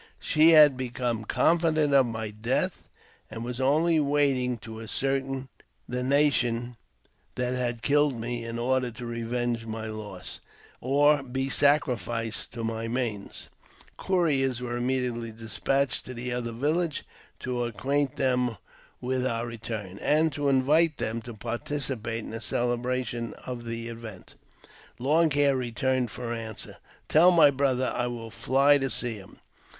She had become confident of my death, and was only waiting to ascertain the nation that, had killed me in order to revenge my loss, or be sacrificed to my manes. Couriers were immediately despatched to the other village to acquaint them with our return, and to invite them to participate in the celebrations of the event. Long « j Hair returned for answer, " Tell my brother I will fly to seen him."